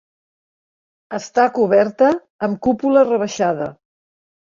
Està coberta amb cúpula rebaixada.